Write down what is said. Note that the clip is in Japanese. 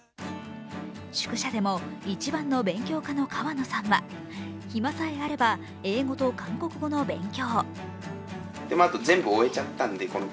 宿舎でも一番の勉強家の河野さんは暇さえあれば英語と韓国語の勉強。